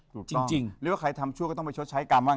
จริงหรือว่าใครทำชั่วก็ต้องไปชดใช้กรรมบ้าง